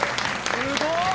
すごい！